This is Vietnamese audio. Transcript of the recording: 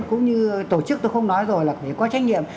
cũng như tổ chức tôi không nói rồi là phải có trách nhiệm